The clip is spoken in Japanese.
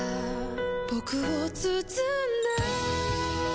「僕を包んだ」